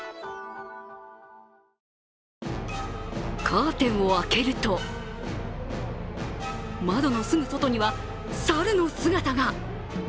カーテンを開けると窓のすぐ外にはサルの姿が。